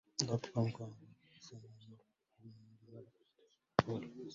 غطِ فمك وأنفك بثني المرفق أو بمنديل ورقي عند السعال أو العطس